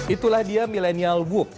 itulah dia millennial whoop